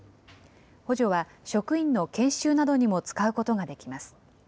補助は職員の研修などにも使うことができます。